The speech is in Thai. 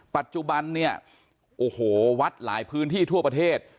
ปัจจุบันเนี่ยโอ้โหวัดหลายพื้นที่ทั่วประเทศ